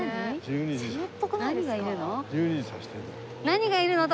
何がいるの？